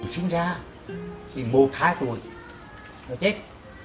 sinh ra thì một hai tuổi rồi chết